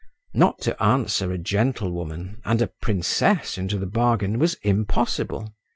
Not to answer a gentlewoman, and a princess into the bargain, was impossible.